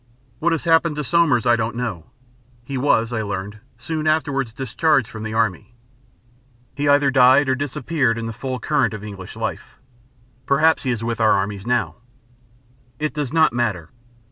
What has happened to Somers I don't know. He was, I learned, soon afterwards discharged from the Army. He either died or disappeared in the full current of English life. Perhaps he is with our armies now. It does not matter.